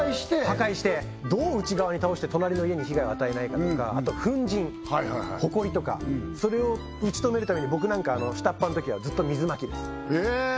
破壊してどう内側に倒して隣の家に被害を与えないかとかあと粉じんホコリとかそれを打ち止めるために僕なんか下っ端のときはずっと水まきですへえ！